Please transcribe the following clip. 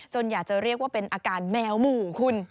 อยากจะเรียกว่าเป็นอาการแมวหมู่คุณ